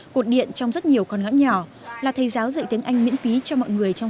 cột điện trong rất nhiều con ngõ nhỏ là thầy giáo dạy tiếng anh miễn phí cho mọi người trong